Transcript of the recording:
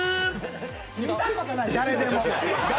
見たことない。